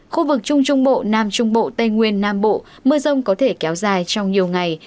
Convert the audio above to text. khu vực trung trung bộ nam trung bộ tây nguyên nam bộ mưa rông có thể kéo dài trong nhiều ngày